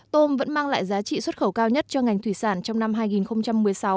tôm vẫn mang lại giá trị xuất khẩu cao nhất cho ngành thủy sản trong năm hai nghìn một mươi sáu